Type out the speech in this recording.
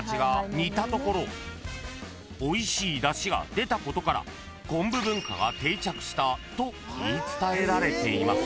［おいしいだしが出たことから昆布文化が定着したと言い伝えられています］